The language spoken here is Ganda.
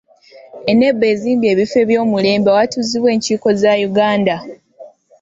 Enable ezimba ebifo eby'omulembe awatuuzibwa enkiiko za Uganda.